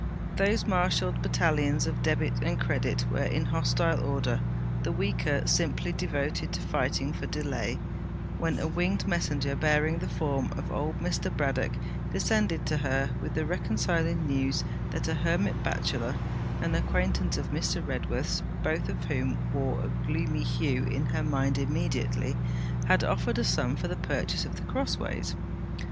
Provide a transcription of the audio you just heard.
Those marshalled battalions of Debit and Credit were in hostile order, the weaker simply devoted to fighting for delay, when a winged messenger bearing the form of old Mr. Braddock descended to her with the reconciling news that a hermit bachelor, an acquaintance of Mr. Redworth's both of whom wore a gloomy hue in her mind immediately had offered a sum for the purchase of The Crossways.